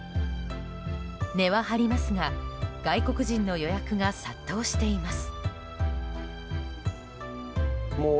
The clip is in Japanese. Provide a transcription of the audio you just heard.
値は張りますが外国人の予約が殺到しています。